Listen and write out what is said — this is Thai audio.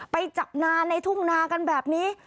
ไปจับนาในทุ่งนากันแบบนี้